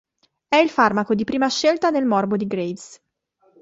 È il farmaco di prima scelta nel morbo di Graves.